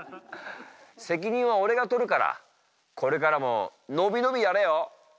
責任はオレが取るからこれからものびのびやれよ！